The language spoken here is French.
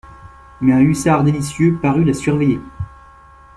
Mais un hussard délicieux parut la surveiller.